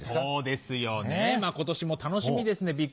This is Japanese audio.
そうですよね今年も楽しみですね。